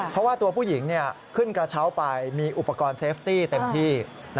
เพราะว่าตัวผู้หญิงขึ้นกระเช้าไปมีอุปกรณ์เซฟตี้เต็มที่